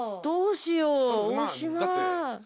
どうしよう大島。